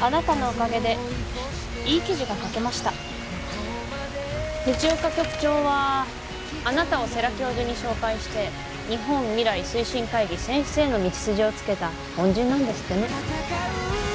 あなたのおかげでいい記事が書けました藤岡局長はあなたを世良教授に紹介して日本未来推進会議選出への道筋をつけた恩人なんですってね